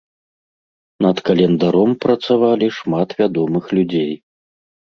Над календаром працавалі шмат вядомых людзей.